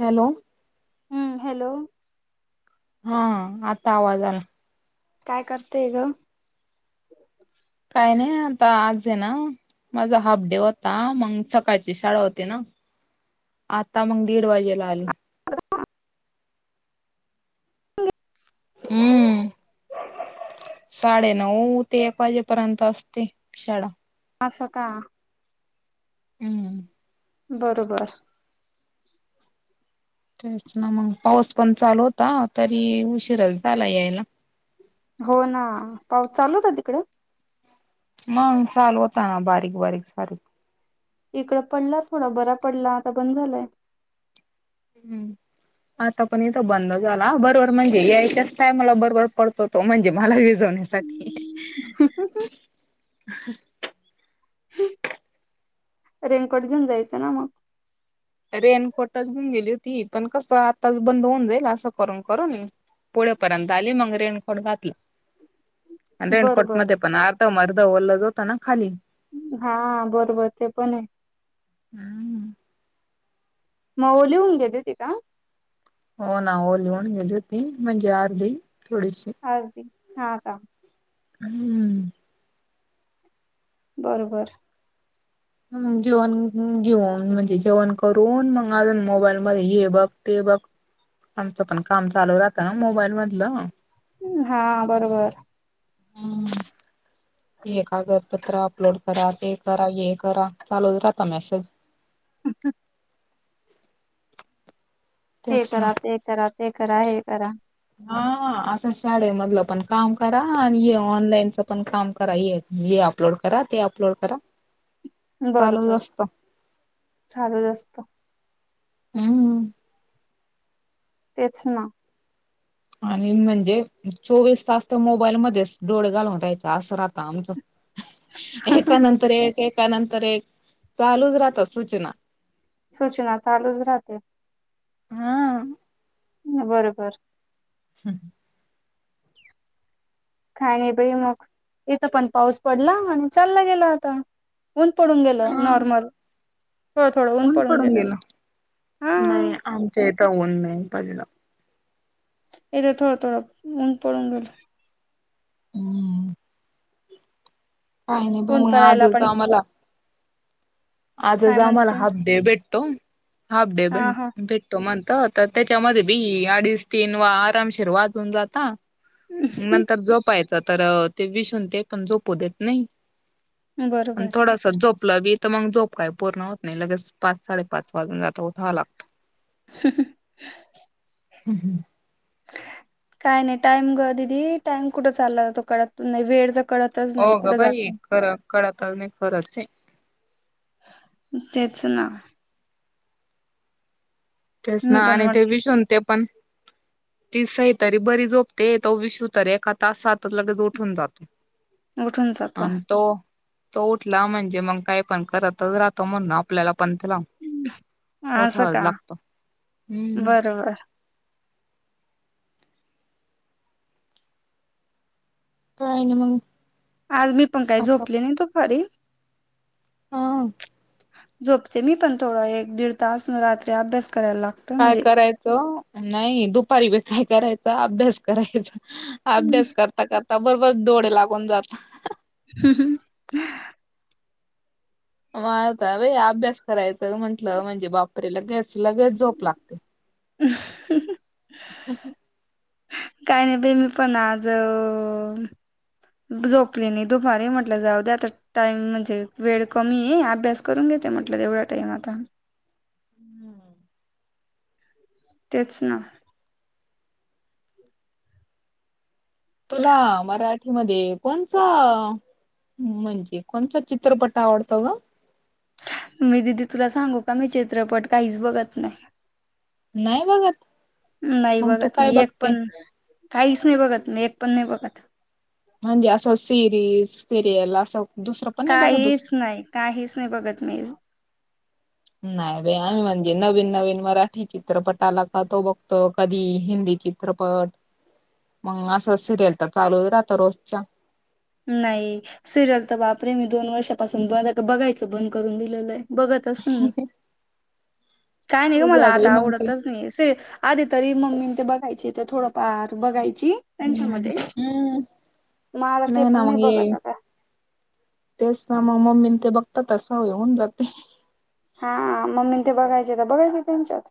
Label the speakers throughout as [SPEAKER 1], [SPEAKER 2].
[SPEAKER 1] Hello.
[SPEAKER 2] हम्म. Hello.
[SPEAKER 1] हा. आता आवाज आला.
[SPEAKER 2] काय, करतेय गं?
[SPEAKER 1] काय नाही आता. आजय ना माझा हाफ डे होता. मग, सकाळची शाळा होती ना. आता, मग दीड वाजेला आली.
[SPEAKER 2] [unintelligible]
[SPEAKER 1] अं. [inaudible] साडेनऊ ते एक वाजेपर्यंत असते, शाळा.
[SPEAKER 2] असं, का?
[SPEAKER 1] हम्म.
[SPEAKER 2] बरोबर
[SPEAKER 1] तेच ना मग पाऊस पण चालू होता तरी उशीराच झाला यायला
[SPEAKER 2] हो ना पाऊस चालूता तिकड
[SPEAKER 1] मग चाल होता ना बारीक बारीक सारी
[SPEAKER 2] इकड पडला थोडा बरा पडला आता बंद झालाय
[SPEAKER 1] हम्म आता पण इथं बंद झाला बरोबर म्हणजे यायच्याच टायमला बरोबर पडतो तो म्हणजे मला विझवण्यासाठी ते
[SPEAKER 2] रेनकोट घेऊन जायचं ना मग
[SPEAKER 1] रेनकोटच घेऊन गेली होती पण कसं आताच बंद होऊन जाईल असं करून करून पुोळेपर्यंत आली मग रेनकोट घातलं
[SPEAKER 2] म्
[SPEAKER 1] अंद्रेण कोट मधप न मारताव मरदव्हल्लदव तना खाली
[SPEAKER 2] हा बरोबर ते पण आहे
[SPEAKER 1] हा ह
[SPEAKER 2] मऊलीिहून घेत होती का
[SPEAKER 1] हो ना ओली होन गेली होती म्हणजे अर्धी थोडीशी
[SPEAKER 2] अदी हा काम
[SPEAKER 1] हम्म
[SPEAKER 2] बरोबर
[SPEAKER 1] मग जेवण घेऊन म्हणजे जेवण करून मग अजून मोबाईल म हे बघ ते बघ आमचं पण काम चालू राहतं ना मोबाईल मधलं
[SPEAKER 2] हा बरोबर
[SPEAKER 1] हम्म.
[SPEAKER 2] [inaudible]
[SPEAKER 1] हे कागदपत्र अपलोड करा ते करा हे करा चालूच राहता मेसेज
[SPEAKER 2] ह हे
[SPEAKER 1] तेच ना
[SPEAKER 2] करा ते करा ते करा हे करा
[SPEAKER 1] हा असं शाळेमधलं पण काम करा आणि ऑनलाईनच पण काम करा येत हे अपलोड करा ते अपलोड करा चालूच
[SPEAKER 2] बरोबर
[SPEAKER 1] असत
[SPEAKER 2] चालू जा असत
[SPEAKER 1] हम्म
[SPEAKER 2] तेच ना
[SPEAKER 1] आणि म्हणजे चोवीस तास तर मोबाईल मध्येच डोळे घालून राहायचा असं राहत आमचं एका नंतर एक एका नंतर एक चालूच राहतात सूचना
[SPEAKER 2] सूचना चालूच राहतील
[SPEAKER 1] हा
[SPEAKER 2] ह बरोबर
[SPEAKER 1] हम ह
[SPEAKER 2] [inaudible] काय नाही बई मग इथं पण पाऊस पडला आणि चालला गेला आता. ऊन पडून गेलं
[SPEAKER 1] हा
[SPEAKER 2] नॉर्मल.
[SPEAKER 1] ऊन पडून गेलं?
[SPEAKER 2] हा
[SPEAKER 1] नाही आमच्या इथं ऊन नाही पडलं.
[SPEAKER 2] इथे थोडं थोडं ऊन पडून गेलं.
[SPEAKER 1] हम काही नाही प
[SPEAKER 2] ऊन
[SPEAKER 1] म्हग
[SPEAKER 2] पडायला
[SPEAKER 1] आजच
[SPEAKER 2] पण
[SPEAKER 1] आम्हाला आजच
[SPEAKER 2] काय
[SPEAKER 1] आम्हाला
[SPEAKER 2] म्हणते
[SPEAKER 1] हाफ डे भेटतो हाफ डे भे
[SPEAKER 2] हा हा
[SPEAKER 1] भेटो म्हणत तर त्याच्यामध्ये बी अडीच तीन वा आरामशेर वाजून जाता नंतर जोपायचं तर ते विसून ते पण जोपू देत नाही आणि
[SPEAKER 2] बरोबर
[SPEAKER 1] थोडस झोपलं बी तर मग झोप काय पूर्ण होत नाही लगेच पाच साडेपाच वाजून जात त उठा लागत ह् हम्
[SPEAKER 2] काय नाही टाइम गं दिदी, टाइम कुठं चालला जातो कळत नाही. वेळच कळत
[SPEAKER 1] हो गं बाई, खरं कळतच नाही खरचंये.
[SPEAKER 2] तेच ना.
[SPEAKER 1] तेच
[SPEAKER 2] मी
[SPEAKER 1] ना.
[SPEAKER 2] पण
[SPEAKER 1] आणि ते
[SPEAKER 2] म्हटलं
[SPEAKER 1] विशु न ते पण ती सई तरी बरी झोपते. तो विशु तर एखा तासातच लगेच उठून जातो.
[SPEAKER 2] उठून जातो
[SPEAKER 1] अन तो तो उठला म्हणजे, मग काय पण करतच राहतो. म्हणून आपल्याला पण त्याला
[SPEAKER 2] असं
[SPEAKER 1] उठावच
[SPEAKER 2] का
[SPEAKER 1] लागत. हम्म
[SPEAKER 2] बरबर.
[SPEAKER 1] काय नई मंग
[SPEAKER 2] आज मी पण काही झोपले नाही दुपारी.
[SPEAKER 1] ह, ह.
[SPEAKER 2] झोपते मी पण थोडं एक दीड तास. मं रात्री अभ्यास करायला लाग
[SPEAKER 1] काय करायचं, नाही दुपारी बी काय करायचं, अभ्यास करायचा. अभ्यास करता करता बरोबर डोळे लागून जातात.
[SPEAKER 2] हम हं [unintelligible]
[SPEAKER 1] म आता बई अभ्यास करायचं म्हटलं म्हणजे, बापरे लगेस लगेच झोप लागते.
[SPEAKER 2] [inaudible]
[SPEAKER 1] [inaudible]
[SPEAKER 2] काही नाही बई. मी पण आज झोपली नही दुपारी. म्हटलं जाऊ द्या आता टाईम म्हणजे वेळ कमीये. अभ्यास करून घेते म्हटलं. तेवढा टाईम आता.
[SPEAKER 1] हम्म.
[SPEAKER 2] तेच ना.
[SPEAKER 1] तुला मराठीमध्ये कोणचा म्हणजे कोणचा चित्रपट आवडतो गं?
[SPEAKER 2] मी दिदी तुला सांगू का?, मी चित्रपट काहीच बघत नाही.
[SPEAKER 1] नाही बघत?
[SPEAKER 2] नाही
[SPEAKER 1] मग तू
[SPEAKER 2] बघत
[SPEAKER 1] काय
[SPEAKER 2] मी. एक पण
[SPEAKER 1] बघते?
[SPEAKER 2] नही. काहीच नाही बघत मी. एक पण नाही बघत.
[SPEAKER 1] म्हणजे असं सिरीज, सिरियल असं दुसरं पण नाही बघत दुस
[SPEAKER 2] काहीच नाही, काहीच नाही बघत मी.
[SPEAKER 1] नाही बाई आम्ही म्हणजे, नवीन नवीन मराठी चित्रपट आला का? तो बघतो, कधी हिंदी चित चित्रपट. मग असं सिरियल तर चालूच राहता रोजच्या.
[SPEAKER 2] नाही. सिरियल तर बापरे, मी दोन वर्षापासून ब बघायचं बंद करून दिलेलं ये. बघतच नाही मी
[SPEAKER 1] [unintelligible]
[SPEAKER 2] काय नाही गं. मला
[SPEAKER 1] तुझा बाई
[SPEAKER 2] आता
[SPEAKER 1] मग ते
[SPEAKER 2] आवडतच असंय, आधी तरी मम्मीन ते बघायचे. तर थोडंफार बघायची.
[SPEAKER 1] हम्म
[SPEAKER 2] त्यांच्यामध्ये.
[SPEAKER 1] हम्म
[SPEAKER 2] माला ते
[SPEAKER 1] नाही
[SPEAKER 2] पण
[SPEAKER 1] ना
[SPEAKER 2] नाही
[SPEAKER 1] मग ये
[SPEAKER 2] बघत आता
[SPEAKER 1] तेच म. मम्मी ते बघतात त सवय होऊन जाते.
[SPEAKER 2] हा मम्मी ते बघायचे त बघायचे त्यांच्यात.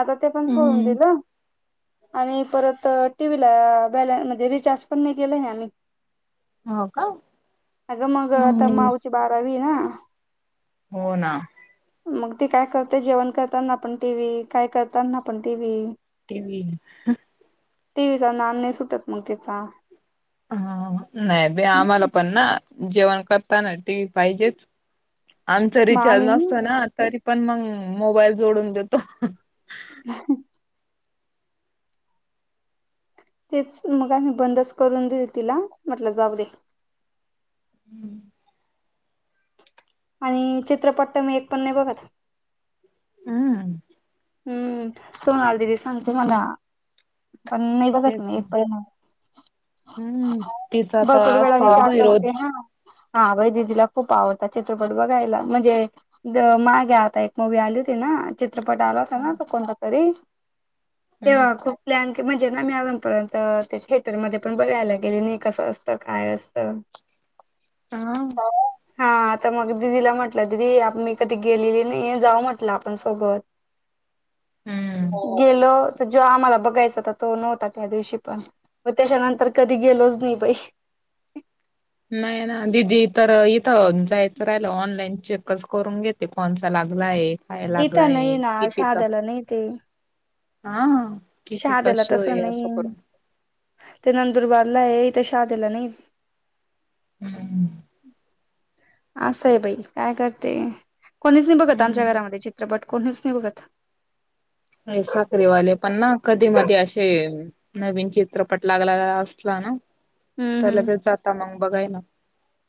[SPEAKER 2] आता ते पण सोडून
[SPEAKER 1] हम्म
[SPEAKER 2] दिलं. आणि परत टी व्ही ला, बॅल म्हनजे रिचार्ज पण नाही केलाय आम्ही.
[SPEAKER 1] हो का
[SPEAKER 2] अगं मग आता माऊची बारावीय ना.
[SPEAKER 1] हो ना.
[SPEAKER 2] मग ती काय करते, जेवण करताना पण टी व्ही, काय करताना पण टीव्ही.
[SPEAKER 1] टीव्ही हं.
[SPEAKER 2] टीव्हीचा नांद नाही सुटत मग तिचा.
[SPEAKER 1] हा नाही बई आम्हाला
[SPEAKER 2] मग
[SPEAKER 1] पण ना, जेवण करताना टी व्ही पाहिजेच. आमच रिचार्ज
[SPEAKER 2] आम्ही
[SPEAKER 1] नसतो ना. तरी पण मग, मोबाईल जोडून देतो.
[SPEAKER 2] [unintelligible] तेच, मग आम्ही बंदच करून दिलं तिला. म्हटलं जाऊ दे.
[SPEAKER 1] हम्म.
[SPEAKER 2] आणि चित्रपट त मी एक पण नाही बघत
[SPEAKER 1] हम्म.
[SPEAKER 2] हम्म सोनाली दिदी सांगते मला पण नही बघत
[SPEAKER 1] तेच
[SPEAKER 2] मी एक पण नाही.
[SPEAKER 1] हम्म तिचा तर
[SPEAKER 2] भरपूर वेळा
[SPEAKER 1] असतोच
[SPEAKER 2] विचार
[SPEAKER 1] बाई
[SPEAKER 2] करते
[SPEAKER 1] रोज
[SPEAKER 2] हा. हा बई दिदिला खूप आवडतात चित्रपट बघायला म्हणजे मागे आता एक मूवी आली होती ना चित्रपटावर. आला होता कोणता तरी
[SPEAKER 1] हम्म
[SPEAKER 2] तेव्हा खूप प्लॅन क म्हणजे ना मी अजूनपर्यंत ते थिएटरमध्येध्ये पण बघायला गेले नाही, कसं असतं? काय असतं?
[SPEAKER 1] हा.
[SPEAKER 2] हा. हा आता मग दिदीला म्हटलं दिदे मी कधी गेलेली नाही जाऊ म्हटलं आपण सोबत. गेलो जो आम्हाला बघायचा होता तो नव्हता त्या दिवशी पण व त्याच्यानंतर कधी गेलोच नाही बाई.
[SPEAKER 1] हम्म, नाही ना, दिदी तर इथं जायचं राहिलं ऑनलाईन चेकच करून घेते कोणचा लागला आहे. काय
[SPEAKER 2] इथं
[SPEAKER 1] लागलाय
[SPEAKER 2] नाही ना
[SPEAKER 1] कितीचा.
[SPEAKER 2] शहाद्याला नाही ते
[SPEAKER 1] हा कितीचा
[SPEAKER 2] शहाद्याला
[SPEAKER 1] शो
[SPEAKER 2] तसं
[SPEAKER 1] आहे
[SPEAKER 2] नाही
[SPEAKER 1] असं करून
[SPEAKER 2] ते नंदुरबारला आहे इथ शहाद्याला नाही.
[SPEAKER 1] हम्म
[SPEAKER 2] असं आहे बाई काय करते कोणीच नाही बघत
[SPEAKER 1] हम्म
[SPEAKER 2] आमच्या घरामध्ये चित्रपट कोनीच नाही बघत.
[SPEAKER 1] साखरीवाले पण ना कधी-मधी अशे नवीन चित्रपट लागला असला ना.
[SPEAKER 2] हम्म
[SPEAKER 1] तर
[SPEAKER 2] हम्म
[SPEAKER 1] लगेच जाता मग बघायला.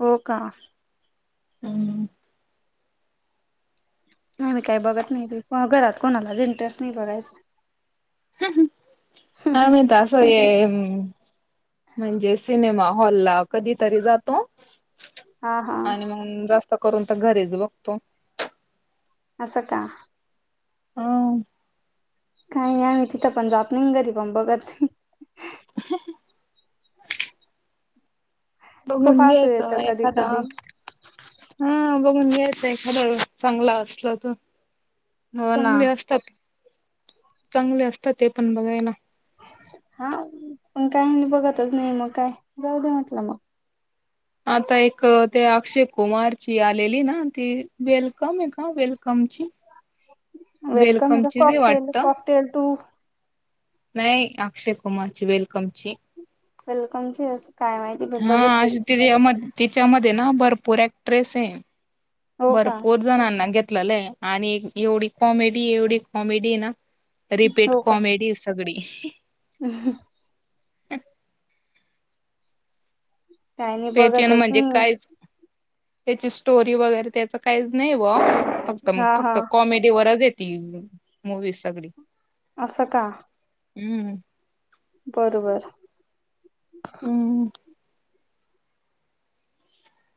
[SPEAKER 2] हो का?
[SPEAKER 1] हम्म हम्म हम्म.
[SPEAKER 2] आम्ही काही बघत नाही घरात कोणालाच इंटरेस्ट नाही बघायचा.
[SPEAKER 1] ह ह आम्ही त आज. होय, म्हणजे सिनेमा हॉल ला कधीतरी जातो,
[SPEAKER 2] हा हा
[SPEAKER 1] आणि मग जास्त करून तर घरीच बघतो.
[SPEAKER 2] असं का.
[SPEAKER 1] हा
[SPEAKER 2] काही नाही आम्ही तिथं पण जात नाही घरी पण बघत नाही.
[SPEAKER 1] - [unintelligible]
[SPEAKER 2] खूप
[SPEAKER 1] बघून
[SPEAKER 2] हसू
[SPEAKER 1] घ्यायचं
[SPEAKER 2] येतं कधी
[SPEAKER 1] एखाद
[SPEAKER 2] कधी
[SPEAKER 1] हा बघून घ्यायचंय एखाद चांगलं असल तर.
[SPEAKER 2] हो ना
[SPEAKER 1] चांगले असतात, चांगले असतात ते पण बघायला.
[SPEAKER 2] हा, पण काही बघतच नाही मग काय जाऊ दे म्हटलं मग.
[SPEAKER 1] आता एक ते अक्षय कुमारची आलेली ना ती वेलकम आहे का वेलकमची
[SPEAKER 2] वेलकमे का
[SPEAKER 1] वेलकमची बी
[SPEAKER 2] कॉकटेल,
[SPEAKER 1] वाटत
[SPEAKER 2] कॉकटेल टू.
[SPEAKER 1] नाही अक्षय कुमारची वेलकम ची.
[SPEAKER 2] वेलकम चीस काय माहिती. पण
[SPEAKER 1] हा अ
[SPEAKER 2] बघितलीच नाही.
[SPEAKER 1] तिच्या तिच्यामध्ये ना भरपूर ऍक्ट्रेस आहे,
[SPEAKER 2] हो का
[SPEAKER 1] भरपूर जणांना घेतलेलं आहे आणि एवढी कॉमेडी, एवढी कॉमेडी आहे ना रिपीट कॉमेडी सगळी.
[SPEAKER 2] हम काही नाही
[SPEAKER 1] पेचन
[SPEAKER 2] बघतच
[SPEAKER 1] म्हणजे
[SPEAKER 2] नाही
[SPEAKER 1] कायच त्याची स्टोरी वगैरे त्याच काहीच नाही व फक्त,
[SPEAKER 2] हा हा
[SPEAKER 1] फक्त कॉमेडीवरच आहेत. टी व मूवी सगळी.
[SPEAKER 2] अस का
[SPEAKER 1] हम्म
[SPEAKER 2] बरोबर
[SPEAKER 1] हम्म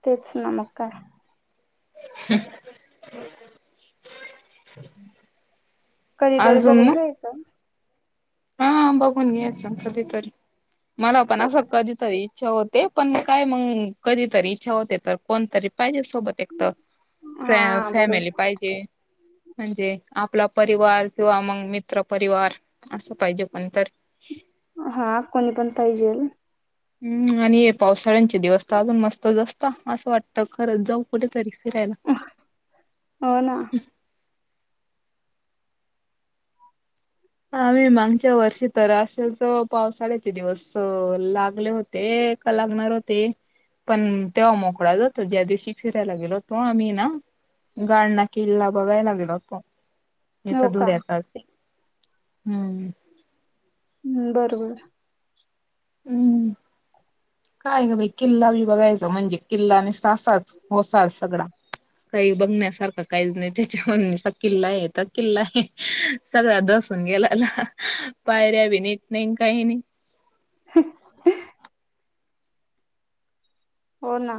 [SPEAKER 2] तेच ना मकार
[SPEAKER 1] ह
[SPEAKER 2] कधीतरी
[SPEAKER 1] अजून
[SPEAKER 2] बघून
[SPEAKER 1] मग
[SPEAKER 2] घ्यायचं
[SPEAKER 1] हा बघून घच कधीतरी मला पण असं
[SPEAKER 2] तेच
[SPEAKER 1] कधी इच्छा होते पण काय मग कधीतरी इच्छा होते तर कोणतरी पाहिजे सोबत एक तर फ
[SPEAKER 2] हा
[SPEAKER 1] फॅमिली
[SPEAKER 2] बरोबर
[SPEAKER 1] पाहिजे म्हणजे आपला परिवार किंवा मग मित्र पररिवार असं पाहिजे पण तर
[SPEAKER 2] हा कोणी पण पाहिजे
[SPEAKER 1] हम् आणि हे पावसाळ्यांचे दिवस तर अजून मस्त असता असं वाटत खरच जाऊ कुठेतरी फिरायला
[SPEAKER 2] हो ना
[SPEAKER 1] आम्ही मागच्या वर्षी तर असेच पावसाळ्याचे दिवस लागले होते ते क लागणार होते पण तेव्हा मोकळा जातो ज्या दिवशी फिरायला गेलो होतो आम्ही ना गाळणा किल्ला बघायला लागलेल होतो इथ
[SPEAKER 2] हो का
[SPEAKER 1] धुळ्याचाच आहे. हम्म
[SPEAKER 2] हम्म बरोबर
[SPEAKER 1] हम्म काय का बा किल्ला बी बघायच म्हणजे किल्लाने सासच होसाल सगळा काही बघण्यासारखं काहीच नाही त्याच्या म्हणचा किल्ला आहे त किल्ला आहे सगळ्या बसून गेलाला पायऱ्या बी नट नाही काही नाही
[SPEAKER 2] ह हो ना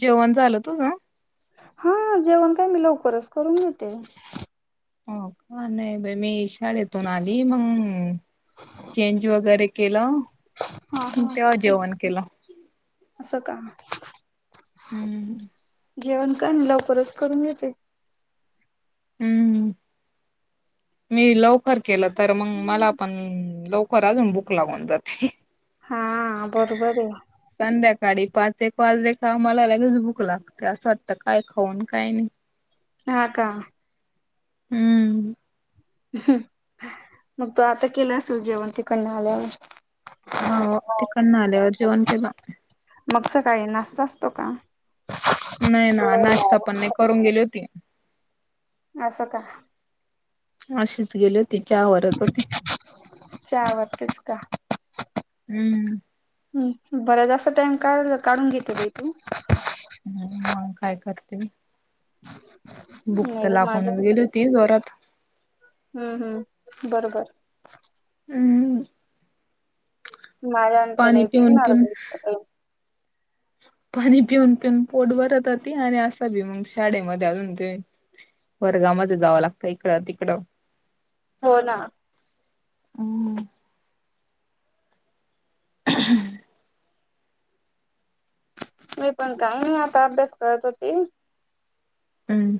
[SPEAKER 1] जेवण झालं तुझ
[SPEAKER 2] हा जेवण काय मी लवकरच करून घेते
[SPEAKER 1] हो का नाही बा मीशाळेतून आली मग चेंज वगैरे केलं
[SPEAKER 2] हा हा
[SPEAKER 1] तेव्हा जेवण केलं
[SPEAKER 2] असं काम
[SPEAKER 1] हम्म
[SPEAKER 2] जेवण का नाही लवकरच करून येते
[SPEAKER 1] हम्म मी लवकर केलं तर मग मला पण लवकर अजून बुक लावून जाते
[SPEAKER 2] हा बरोबर आहे.
[SPEAKER 1] संध्याकाळी पाच एक वाजले खा मला लगेच भूक लागते असं वाटतं काय खाऊन काय नाही.
[SPEAKER 2] हा का.
[SPEAKER 1] हम्म.
[SPEAKER 2] मग तो आता केला असेल जेवण तिकडन आल्यावर
[SPEAKER 1] हो तिकडन आल्यावर जेवण केव
[SPEAKER 2] मग सकाळी नासता असतो का
[SPEAKER 1] नाही ना नाश्ता पण नाही करून गेली होती
[SPEAKER 2] असं का
[SPEAKER 1] अशीच गेली होती च वरच होती
[SPEAKER 2] वाटतेस का
[SPEAKER 1] हम्म
[SPEAKER 2] ह् बरंच अस टाम का काढून घेते ब तू
[SPEAKER 1] ह मग काय करते
[SPEAKER 2] हम्.
[SPEAKER 1] बुक्त लाखवून गेली ती जरात.
[SPEAKER 2] हम्म हम्म बरोबर.
[SPEAKER 1] हम्.
[SPEAKER 2] माझ्या अंत
[SPEAKER 1] पाणी
[SPEAKER 2] नाही
[SPEAKER 1] पिऊन
[SPEAKER 2] बिघणार.
[SPEAKER 1] पिऊन पाणी पिऊन पिऊन पोट भरत होती आणि असा बी मग शाळेमध्ये अलून दे. वर्गामध्ये जावं लागतं इकडं तिकडं.
[SPEAKER 2] हो ना.
[SPEAKER 1] हम्म. ह्.
[SPEAKER 2] मी पण काही आता अभ्यास करत होती.
[SPEAKER 1] हम्म.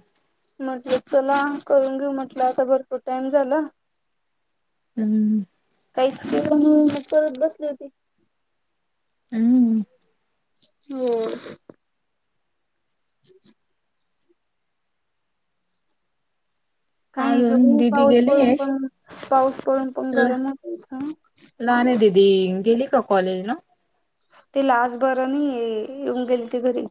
[SPEAKER 2] म्हटलं चला करून घेऊ म्हटलं आता भरपूर टाइम झाला.
[SPEAKER 1] हम्म
[SPEAKER 2] काहीचण मग परत बसले होते.
[SPEAKER 1] हम्म.
[SPEAKER 2] हो. [inaudible] काही नाही
[SPEAKER 1] अजून
[SPEAKER 2] गर
[SPEAKER 1] दिदी
[SPEAKER 2] पाऊस पडून
[SPEAKER 1] गेलीये?
[SPEAKER 2] पण पाऊस पडून पण गरमच
[SPEAKER 1] लान दिदी गेली का कॉलेज न.
[SPEAKER 2] ती लाच बरं आणि येऊन गेली ती घरी.